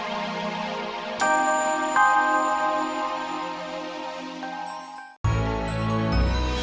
akang mau beli hp baru